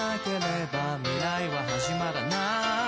「未来ははじまらない」